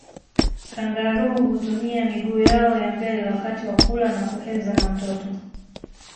Kangaroo hutumia miguu yao ya mbele wakati wa kula na kuheza na mtoto